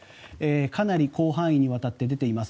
かなり広範囲にわたって出ています。